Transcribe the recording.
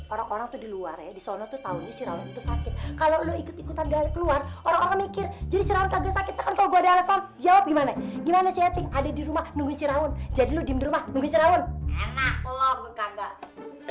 orang orang itu di luar ya disana tuh tahunnya si rawon itu sakit kalau lu ikut ikutan di luar orang orang mikir jadi saya enggak sakit kalau ada alasan jawab gimana gimana si etik ada di rumah nunggu si rawon jadi lu diem di rumah nunggu si rawon enak lu enggak